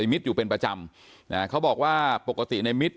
มิตรอยู่เป็นประจำนะเขาบอกว่าปกติในมิตร